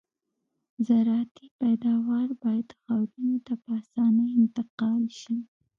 زراعتي پیداوار باید ښارونو ته په اسانۍ انتقال شي